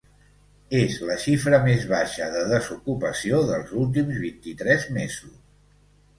És la xifra més baixa de desocupació dels últims vint-i-tres mesos.